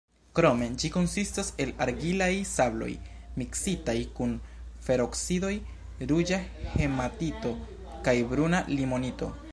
Krome ĝi konsistas el argilaj sabloj miksitaj kun feroksidoj: ruĝa hematito kaj bruna limonito.